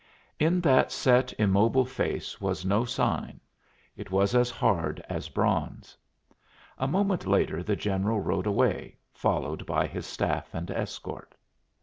In that set, immobile face was no sign; it was as hard as bronze. A moment later the general rode away, followed by his staff and escort.